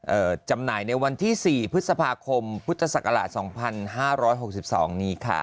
จำหน่ายในวันที่สี่พฤษภาคมพุทธศักราชสองพันห้าร้อยหกสิบสองนี้ค่ะ